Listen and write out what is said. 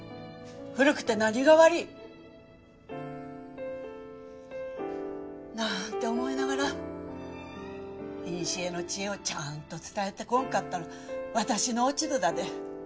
古くて何が悪い！なんて思いながらいにしえの知恵をちゃんと伝えてこんかった私の落ち度だで。